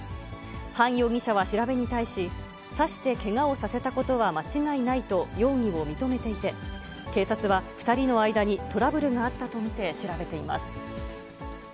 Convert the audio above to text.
ハン容疑者は調べに対し、刺してけがをさせたことは間違いないと容疑を認めていて、警察は２人の間にトラブルがあったと見て調べています。